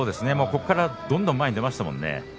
最初からどんどん前に出ましたよね。